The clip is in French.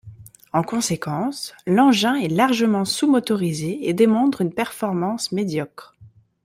En conséquence, l'engin est largement sous-motorisé et démontre une performance médiocre.